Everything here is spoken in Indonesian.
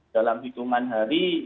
dalam hitungan hari